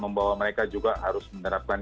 membawa mereka juga harus menerapkan